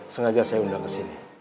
sengaja saya undang kesini